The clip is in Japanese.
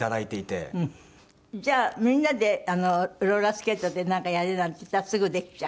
じゃあみんなでローラースケートでなんかやれなんて言ったらすぐできちゃう？